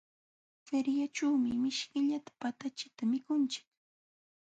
Feriaćhuumi mishkillata patachita mikunchik.